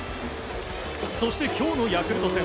そして、今日のヤクルト戦。